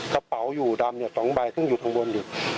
กระเป๋าอยู่ดำ๒ใบซึ่งอยู่ข้างบนอยู่